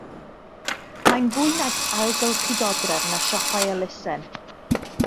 Mae'n fwy nag ailgylchu dodrefn a siopau elusen